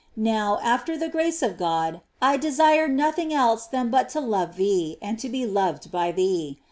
Now, after the grace of God, I desire nothing else than but to love thee, and to be loved by thee.